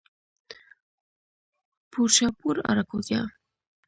پورشاپور، آراکوزیا